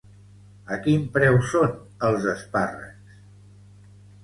A quin preu són els espàrrecs?